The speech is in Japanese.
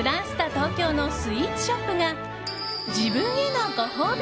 東京のスイーツショップが自分へのご褒美